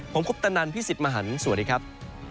ผมคุปตะนันพี่สิทธิ์มหันฯสวัสดีครับ